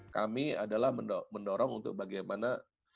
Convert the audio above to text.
kami adalah mendorong untuk bagaimana